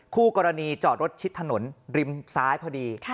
คู่กรณีจอดรถชิดถนนริมซ้ายพอดี